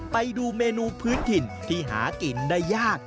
ไปดูเมนูพื้นถิ่นที่หากินได้ยาก